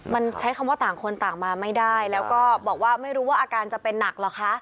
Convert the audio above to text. มันใช้คำว่าต่างคนต่างมาไม่ได้แล้วก็บอกว่าไม่รู้ว่าอาการจะเป็นหนักเหรอคะ